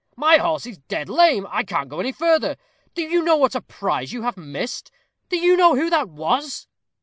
"My horse is dead lame. I cannot go any further. Do you know what a prize you have missed? Do you know who that was?"